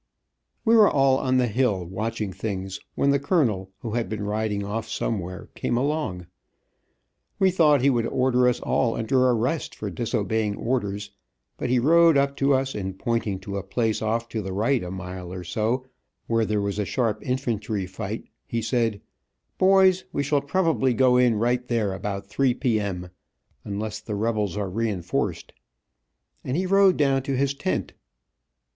We were all on the hill watching things, when the colonel, who had been riding off somewhere, came along. We thought he would order us all under arrest for disobeying orders, but he rode up to us, and pointing to a place off to the right a mile or so, where there was a sharp infantry fight, he said, "Boys, we shall probably go in right there about 3 p.m., unless the rebels are reinforced," and he rode down to his tent.